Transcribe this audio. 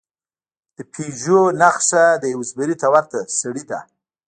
د پېژو نښه د یو زمري ته ورته سړي ده.